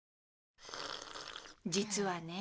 実はね。